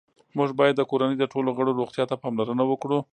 موږ باید د کورنۍ د ټولو غړو روغتیا ته پاملرنه وکړو